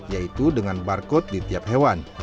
yaitu dengan barcode di tiap hewan